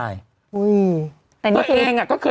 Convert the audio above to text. อ๋องง